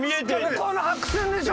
向こうの白線でしょ？